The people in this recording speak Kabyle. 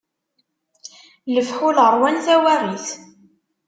Lefḥul ṛwan tawaɣit.